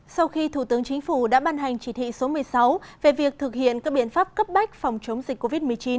sau khi thủ tướng chính phủ đã ban hành chỉ thị số một mươi sáu về việc thực hiện các biện pháp cấp bách phòng chống dịch covid một mươi chín